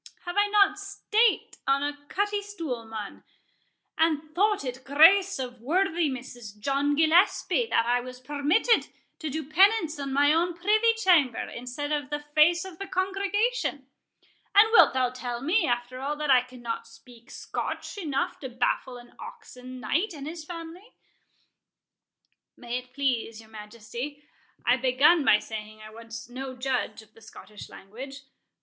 Have I not sate on the cutty stool, mon, [again assuming the northern dialect,] and thought it grace of worthy Mrs John Gillespie, that I was permitted to do penance in my own privy chamber, instead of the face of the congregation? and wilt thou tell me, after all, that I cannot speak Scotch enough to baffle an Oxon Knight and his family?" "May it please your Majesty,—I begun by saying I was no judge of the Scottish language."